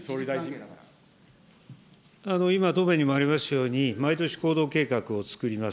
今、答弁にもありましたように、毎年、行動計画をつくります。